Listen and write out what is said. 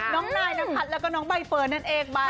น้องนายนพัฒน์แล้วก็น้องใบเฟิร์นนั่นเอง